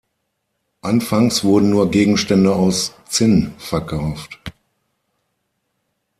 Anfangs wurden nur Gegenstände aus Zinn verkauft.